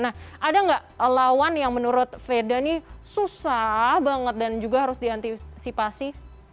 nah ada nggak lawan yang menurut veda ini susah banget dan juga harus diantisipasi